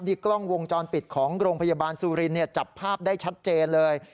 กล้องวงจรปิดของโรงพยาบาลสุรินจับภาพได้ชัดเจนเลย